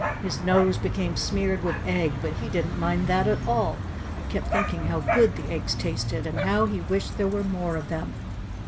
His nose became smeared with egg, but he didn't mind that at all. He kept thinking how good the eggs tasted and how he wished there were more of them.